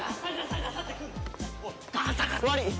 悪い。